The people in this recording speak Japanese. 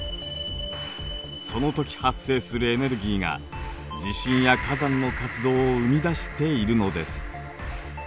そのとき発生するエネルギーが地震や火山の活動を生み出しているのです。